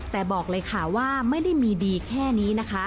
แต่บอกเลยค่ะว่าไม่ได้มีดีแค่นี้นะคะ